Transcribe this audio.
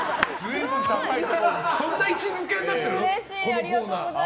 そんな位置づけになってるの？